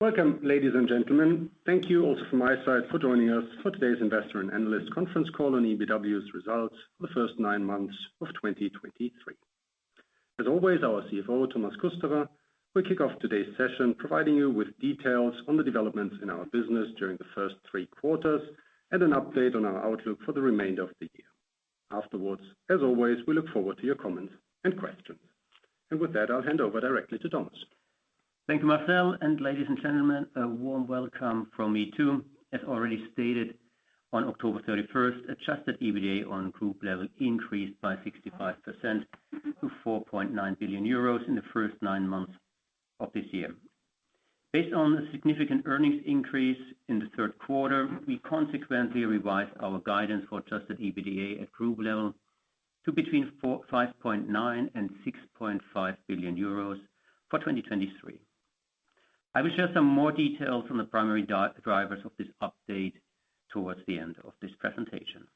Welcome, ladies and gentlemen. Thank you also from my side for joining us for today's Investor and Analyst Conference Call on EnBW's results for the first nine months of 2023. As always, our CFO, Thomas Kusterer, will kick off today's session, providing you with details on the developments in our business during the first three quarters, and an update on our outlook for the remainder of the year. Afterwards, as always, we look forward to your comments and questions. With that, I'll hand over directly to Thomas. Thank you, Marcel, and ladies and gentlemen, a warm welcome from me, too. As already stated, on October 31st, Adjusted EBITDA on group level increased by 65% to 4.9 billion euros in the first nine months of this year. Based on the significant earnings increase in the third quarter, we consequently revised our guidance for Adjusted EBITDA at group level to between 5.9 billion and 6.5 billion euros for 2023. I will share some more details on the primary drivers of this update towards the end of this presentation.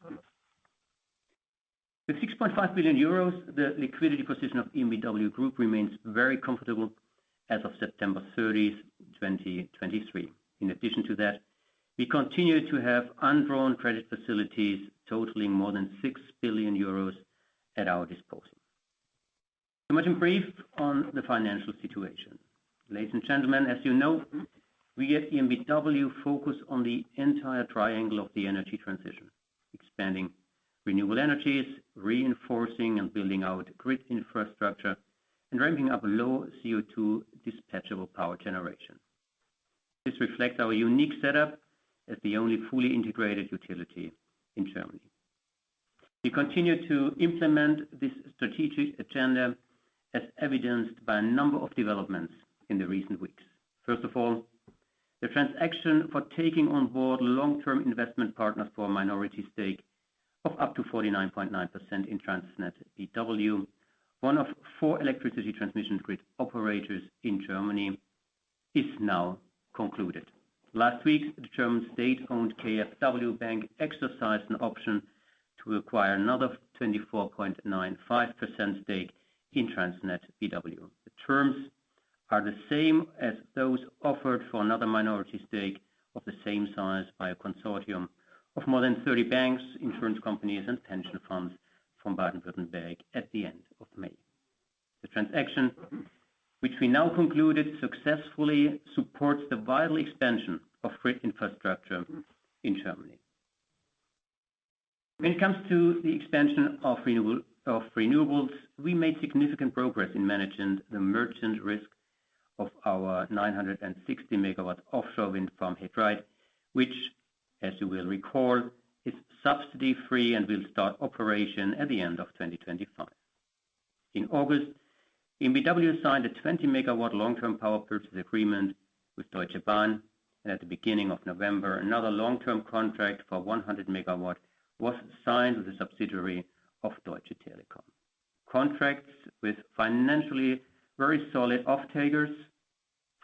With 6.5 billion euros, the liquidity position of EnBW Group remains very comfortable as of September 30th, 2023. In addition to that, we continue to have undrawn credit facilities totaling more than six billion euros at our disposal. So much in brief on the financial situation. Ladies and gentlemen, as you know, we at EnBW focus on the entire triangle of the energy transition, expanding renewable energies, reinforcing and building out grid infrastructure, and ramping up low CO2 dispatchable power generation. This reflects our unique setup as the only fully integrated utility in Germany. We continue to implement this strategic agenda, as evidenced by a number of developments in the recent weeks. First of all, the transaction for taking on board long-term investment partners for a minority stake of up to 49.9% in TransnetBW, one of four electricity transmission grid operators in Germany, is now concluded. Last week, the German state-owned KfW bank exercised an option to acquire another 24.95% stake in TransnetBW. The terms are the same as those offered for another minority stake of the same size by a consortium of more than 30 banks, insurance companies, and pension funds from Baden-Württemberg at the end of May. The transaction, which we now concluded successfully, supports the vital expansion of grid infrastructure in Germany. When it comes to the expansion of renewable, of renewables, we made significant progress in managing the merchant risk of our 960-MW offshore wind farm, He Dreiht, which, as you will recall, is subsidy-free and will start operation at the end of 2025. In August, EnBW signed a 20-MW long-term power purchase agreement with Deutsche Bahn. At the beginning of November, another long-term contract for 100 MW was signed with a subsidiary of Deutsche Telekom. Contracts with financially very solid off-takers,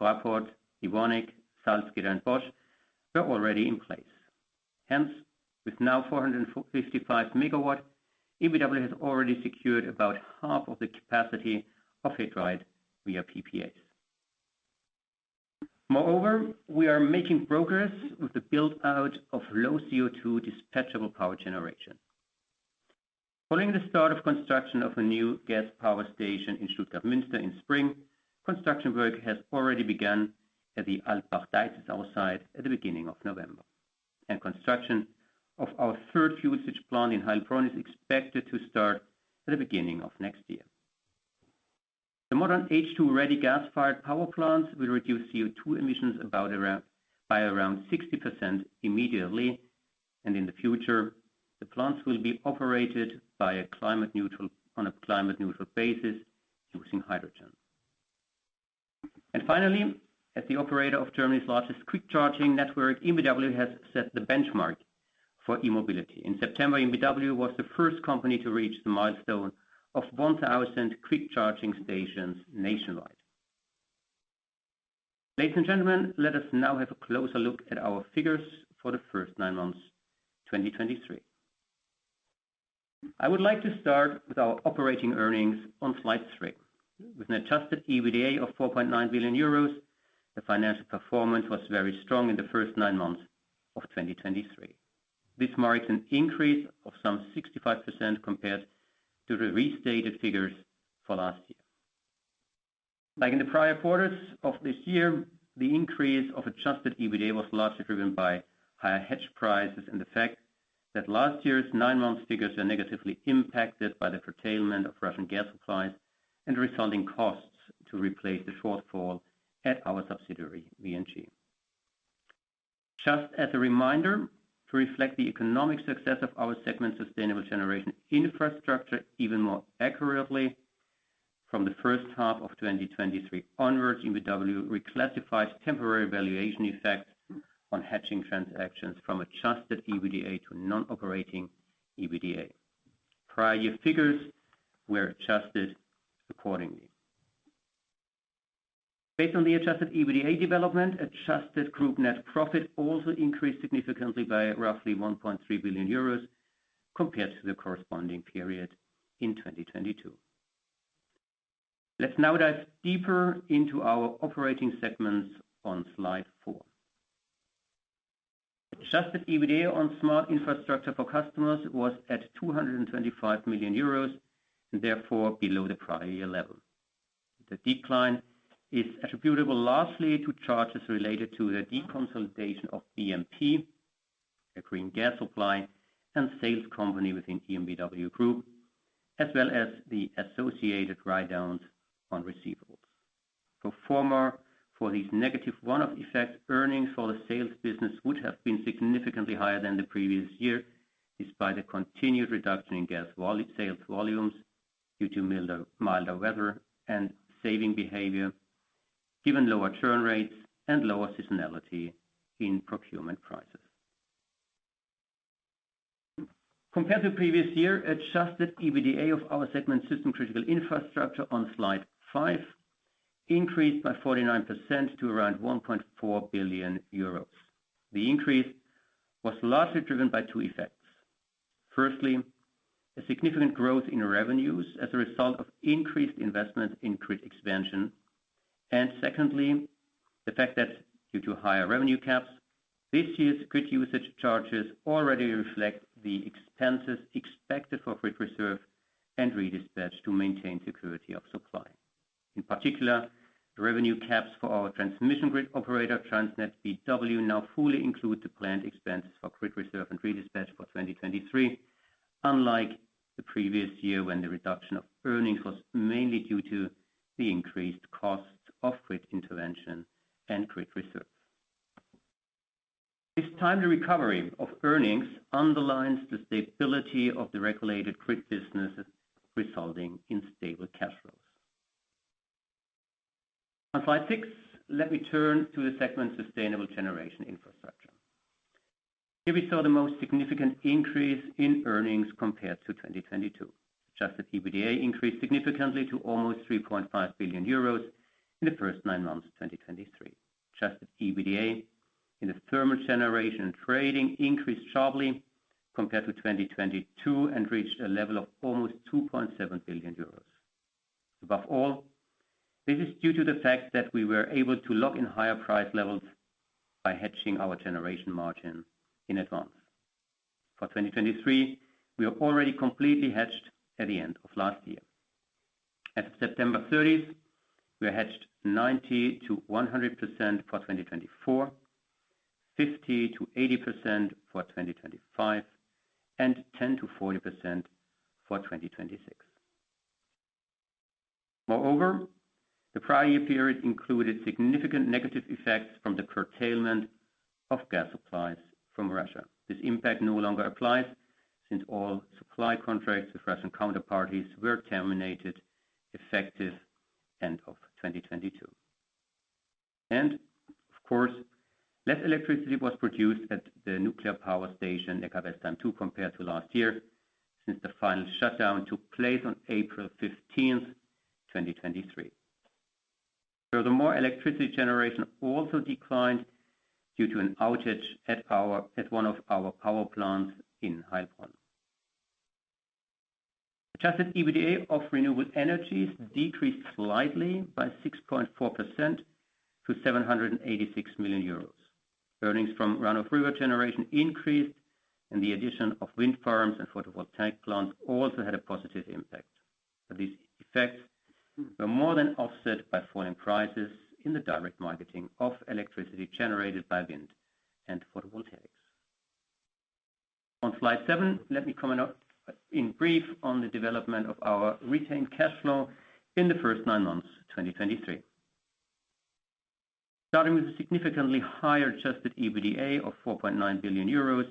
Fraport, Evonik, Salzgitter, and Bosch, were already in place. Hence, with now 455 MW, EnBW has already secured about half of the capacity of He Dreiht via PPAs. Moreover, we are making progress with the build-out of low CO2 dispatchable power generation. Following the start of construction of a new gas power station in Stuttgart-Münster in spring, construction work has already begun at the Altbach Deizisau site at the beginning of November. And construction of our third gas plant in Heilbronn is expected to start at the beginning of next year. The modern H2-ready gas-fired power plants will reduce CO2 emissions by around 60% immediately, and in the future, the plants will be operated on a climate neutral basis using hydrogen. And finally, as the operator of Germany's largest quick-charging network, EnBW has set the benchmark for e-mobility. In September, EnBW was the first company to reach the milestone of 1,000 quick-charging stations nationwide. Ladies and gentlemen, let us now have a closer look at our figures for the first nine months, 2023. I would like to start with our operating earnings on slide three. With an adjusted EBITDA of 4.9 billion euros, the financial performance was very strong in the first nine months of 2023. This marks an increase of some 65% compared to the restated figures for last year. Like in the prior quarters of this year, the increase of adjusted EBITDA was largely driven by higher hedge prices and the fact that last year's nine month figures were negatively impacted by the curtailment of Russian gas supplies and the resulting costs to replace the shortfall at our subsidiary, VNG. Just as a reminder, to reflect the economic success of our segment, Sustainable Generation Infrastructure, even more accurately, from the first half of 2023 onwards, EnBW reclassifies temporary valuation effects on hedging transactions from adjusted EBITDA to non-operating EBITDA. Prior year figures were adjusted accordingly. Based on the adjusted EBITDA development, adjusted group net profit also increased significantly by roughly 1.3 billion euros compared to the corresponding period in 2022. Let's now dive deeper into our operating segments on Slide four. Adjusted EBITDA on smart infrastructure for customers was at 225 million euros, and therefore, below the prior year level. The decline is attributable largely to charges related to the deconsolidation of BMP, a green gas supply, and sales company within EnBW Group, as well as the associated write-downs on receivables. Pro forma, for these negative one-off effects, earnings for the sales business would have been significantly higher than the previous year, despite a continued reduction in gas sales volumes due to milder weather and saving behavior, given lower churn rates and lower seasonality in procurement prices. Compared to the previous year, adjusted EBITDA of our segment system-critical infrastructure on Slide five increased by 49% to around 1.4 billion euros. The increase was largely driven by two effects. Firstly, a significant growth in revenues as a result of increased investment in grid expansion. And secondly, the fact that due to higher revenue caps, this year's grid usage charges already reflect the expenses expected for grid reserve and Redispatch to maintain security of supply. In particular, the revenue caps for our transmission grid operator, TransnetBW, now fully include the planned expenses for grid reserve and redispatch for 2023, unlike the previous year, when the reduction of earnings was mainly due to the increased costs of grid intervention and grid reserve. This timely recovery of earnings underlines the stability of the regulated grid business, resulting in stable cash flows. On Slide six, let me turn to the segment, sustainable generation infrastructure. Here we saw the most significant increase in earnings compared to 2022. Adjusted EBITDA increased significantly to almost 3.5 billion euros in the first nine months of 2023. Adjusted EBITDA in the thermal generation and trading increased sharply compared to 2022 and reached a level of almost 2.7 billion euros. Above all, this is due to the fact that we were able to lock in higher price levels by hedging our generation margin in advance. For 2023, we are already completely hedged at the end of last year. At September 30, we are hedged 90%-100% for 2024, 50%-80% for 2025, and 10%-40% for 2026. Moreover, the prior year period included significant negative effects from the curtailment of gas supplies from Russia. This impact no longer applies, since all supply contracts with Russian counterparties were terminated effective end of 2022. And of course, less electricity was produced at the nuclear power station, Neckarwestheim 2, compared to last year, since the final shutdown took place on April 15, 2023. Furthermore, electricity generation also declined due to an outage at one of our power plants in Heilbronn. Adjusted EBITDA of renewable energies decreased slightly by 6.4% to 786 million euros. Earnings from run-of-river generation increased, and the addition of wind farms and photovoltaic plants also had a positive impact. But these effects were more than offset by falling prices in the direct marketing of electricity generated by wind and photovoltaics. On Slide seven, let me comment on, in brief, on the development of our retained cash flow in the first nine months, 2023. Starting with a significantly higher adjusted EBITDA of 4.9 billion euros,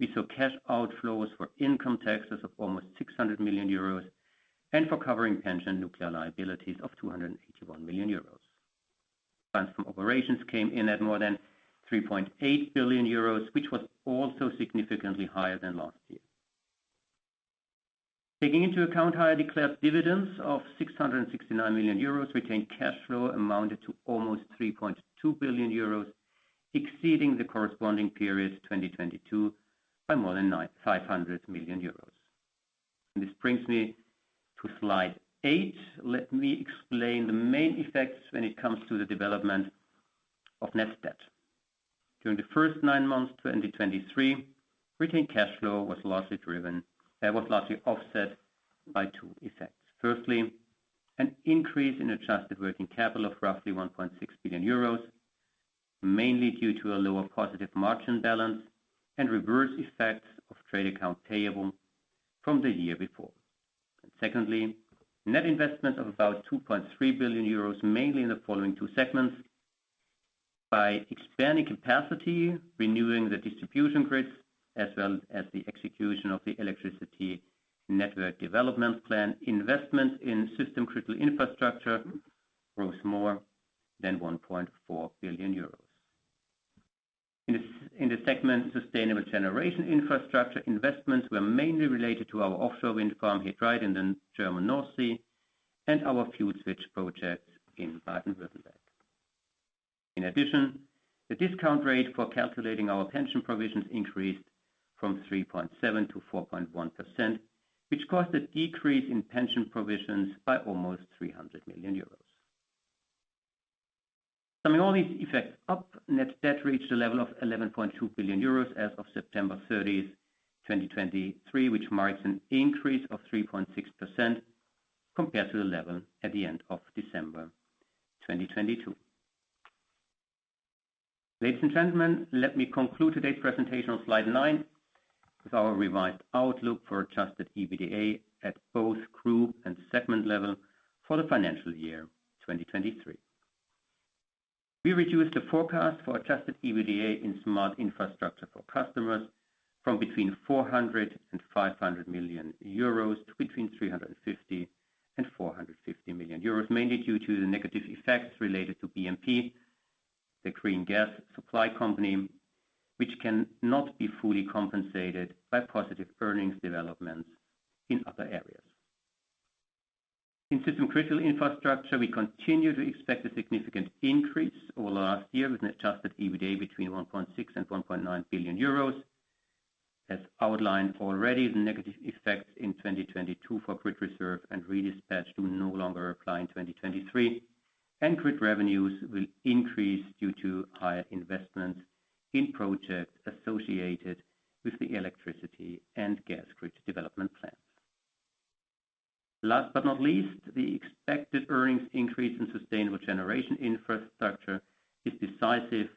we saw cash outflows for income taxes of almost 600 million euros and for covering pension nuclear liabilities of 281 million euros. Funds from operations came in at more than 3.8 billion euros, which was also significantly higher than last year. Taking into account higher declared dividends of 669 million euros, retained cash flow amounted to almost 3.2 billion euros, exceeding the corresponding periods 2022 by more than 950 million euros. This brings me to Slide 8. Let me explain the main effects when it comes to the development of net debt. During the first nine months, 2023, retained cash flow was largely offset by two effects. Firstly, an increase in adjusted working capital of roughly 1.6 billion euros, mainly due to a lower positive margin balance and reverse effects of trade accounts payable from the year before. And secondly, net investment of about 2.3 billion euros, mainly in the following two segments. By expanding capacity, renewing the distribution grids, as well as the execution of the electricity network development plan, investment in system-critical infrastructure grows more than 1.4 billion euros. In the segment, sustainable generation infrastructure investments were mainly related to our offshore wind farm, He Dreiht, in the German North Sea and our fuel switch project in Baden-Württemberg. In addition, the discount rate for calculating our pension provisions increased from 3.7% to 4.1%, which caused a decrease in pension provisions by almost 300 million euros. Summing all these effects up, net debt reached a level of 11.2 billion euros as of September thirtieth, 2023, which marks an increase of 3.6% compared to the level at the end of December, 2022. Ladies and gentlemen, let me conclude today's presentation on slide nine, with our revised outlook for Adjusted EBITDA at both group and segment level for the financial year 2023. We reduced the forecast for Adjusted EBITDA in Smart Infrastructure for customers from between 400 million euros and 500 million euros to between 350 million and 450 million euros, mainly due to the negative effects related to BMP, the green gas supply company, which cannot be fully compensated by positive earnings developments in other areas. In System Critical Infrastructure, we continue to expect a significant increase over last year, with an Adjusted EBITDA between 1.6 billion and 1.9 billion euros. As outlined already, the negative effects in 2022 for grid reserve and Redispatch do no longer apply in 2023, and grid revenues will increase due to higher investments in projects associated with the electricity and gas grid development plans. Last but not least, the expected earnings increase in Sustainable Generation Infrastructure is decisive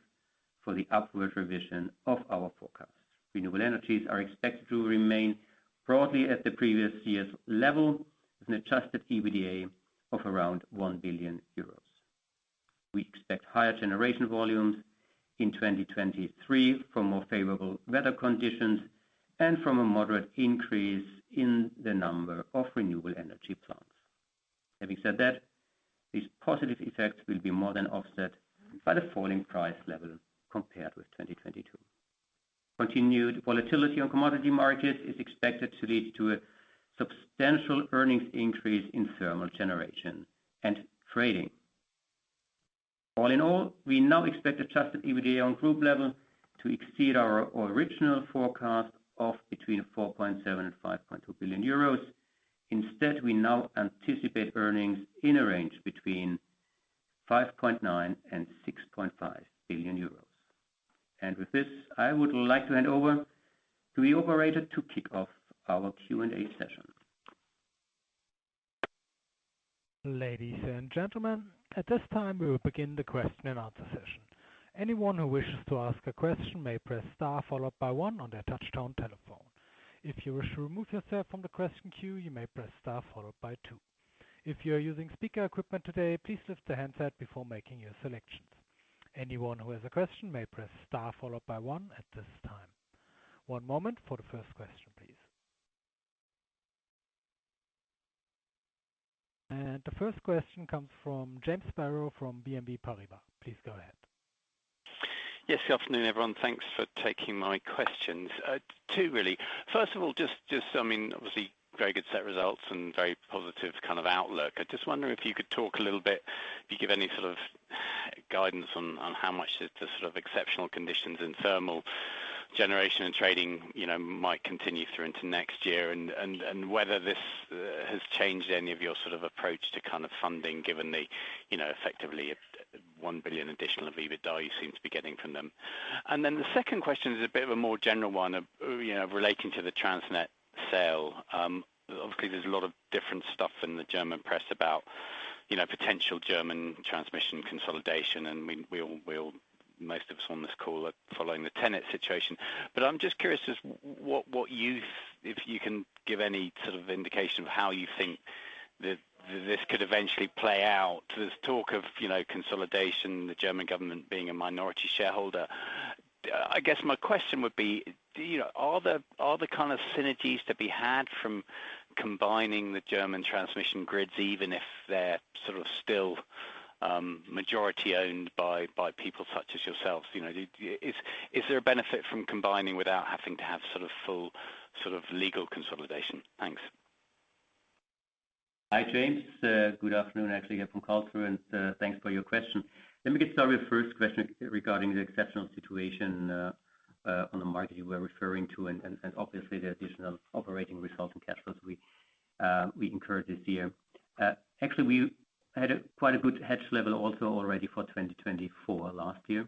for the upward revision of our forecast. Renewable energies are expected to remain broadly at the previous year's level, with an Adjusted EBITDA of around 1 billion euros. We expect higher generation volumes in 2023 from more favorable weather conditions and from a moderate increase in the number of renewable energy plants. Having said that, these positive effects will be more than offset by the falling price level compared with 2022. Continued volatility on commodity markets is expected to lead to a substantial earnings increase in thermal generation and trading. All in all, we now expect adjusted EBITDA on group level to exceed our original forecast of between 4.7 billion and 5.2 billion euros. Instead, we now anticipate earnings in a range between 5.9 billion and 6.5 billion euros. And with this, I would like to hand over to the operator to kick off our Q&A session. Ladies and gentlemen, at this time, we will begin the question and answer session. Anyone who wishes to ask a question may press star followed by one on their touchtone telephone. If you wish to remove yourself from the question queue, you may press star followed by two. If you are using speaker equipment today, please lift the handset before making your selections. Anyone who has a question may press star followed by one at this time. One moment for the first question, please. The first question comes from James Sparrow from BNP Paribas. Please go ahead. Yes, good afternoon, everyone. Thanks for taking my questions. Two, really. First of all, just, I mean, obviously, very good set results and very positive kind of outlook. I just wonder if you could talk a little bit, if you give any sort of guidance on how much the sort of exceptional conditions in thermal generation and trading, you know, might continue through into next year and whether this has changed any of your sort of approach to kind of funding, given the, you know, effectively a 1 billion additional of EBITDA you seem to be getting from them. And then the second question is a bit of a more general one of, you know, relating to the Transnet sale. Obviously, there's a lot of different stuff in the German press about, you know, potential German transmission consolidation. We all, most of us on this call are following the TenneT situation. But I'm just curious as what you—if you can give any sort of indication of how you think that this could eventually play out. There's talk of, you know, consolidation, the German government being a minority shareholder. I guess my question would be, do you know, are the kind of synergies to be had from combining the German transmission grids, even if they're sort of still majority-owned by people such as yourselves? You know, is there a benefit from combining without having to have sort of full, sort of legal consolidation? Thanks. Hi, James. Good afternoon. Actually, here from Karlsruhe, and thanks for your question. Let me get started with the first question regarding the exceptional situation on the market you were referring to and obviously the additional operating results and cash flows we incurred this year. Actually, we had quite a good hedge level also already for 2024 last year.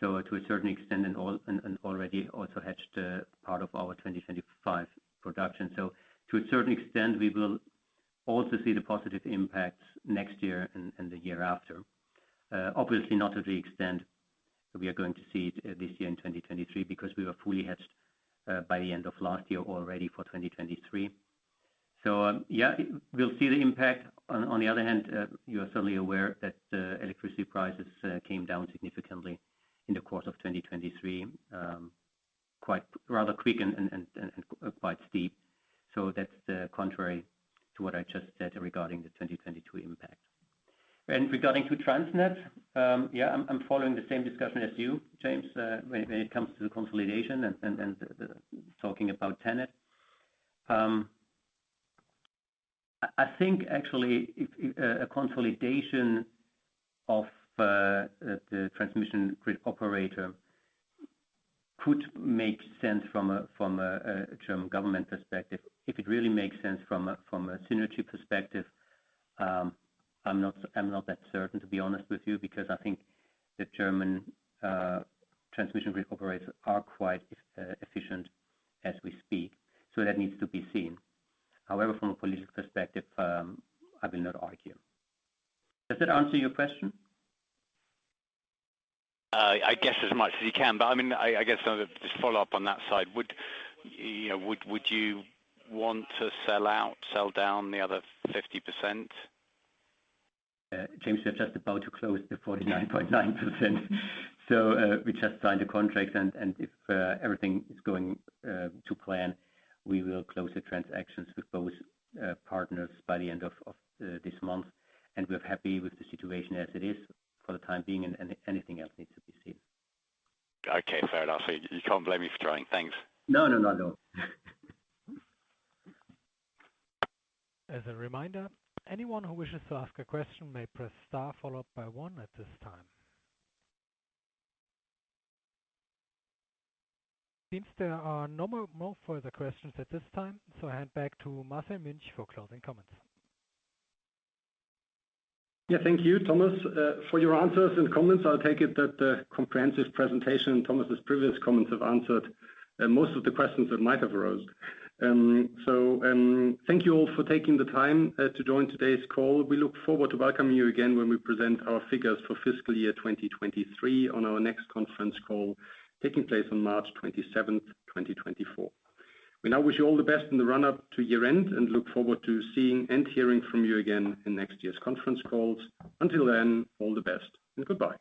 So to a certain extent, and already also hedged part of our 2025 production. So to a certain extent, we will also see the positive impacts next year and the year after. Obviously not to the extent we are going to see it this year in 2023, because we were fully hedged by the end of last year already for 2023. So, yeah, we'll see the impact. On the other hand, you are certainly aware that electricity prices came down significantly in the course of 2023, quite rather quick and quite steep. So that's the contrary to what I just said regarding the 2022 impact. And regarding to Transnet, yeah, I'm following the same discussion as you, James, when it comes to the consolidation and talking about TenneT. I think actually if a consolidation of the transmission grid operator could make sense from a German government perspective, if it really makes sense from a synergy perspective, I'm not that certain, to be honest with you, because I think the German transmission grid operators are quite efficient as we speak. So that needs to be seen. However, from a political perspective, I will not argue. Does that answer your question? I guess as much as you can, but I mean, I guess just follow up on that side. Would, you know, would you want to sell out, sell down the other 50%? James, we're just about to close the 49.9%. So, we just signed a contract and if everything is going to plan, we will close the transactions with both partners by the end of this month. And we're happy with the situation as it is for the time being, and anything else needs to be seen. Okay, fair enough. So you can't blame me for trying. Thanks. No, no, no, no. As a reminder, anyone who wishes to ask a question may press star followed by one at this time. Seems there are no further questions at this time, so I hand back to Marcel Münch for closing comments. Yeah, thank you, Thomas, for your answers and comments. I'll take it that the comprehensive presentation and Thomas's previous comments have answered most of the questions that might have arose. So, thank you all for taking the time to join today's call. We look forward to welcoming you again when we present our figures for fiscal year 2023 on our next conference call, taking place on March 27, 2024. We now wish you all the best in the run-up to year-end and look forward to seeing and hearing from you again in next year's conference calls. Until then, all the best, and goodbye.